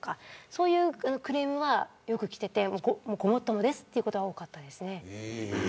そういうクレームがよくきていてごもっともですということが多かったです。